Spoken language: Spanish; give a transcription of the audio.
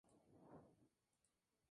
Los prisioneros fueron liberados.